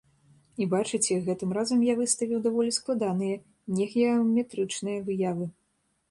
І бачыце, гэтым разам я выставіў даволі складаныя, негеаметрычныя выявы.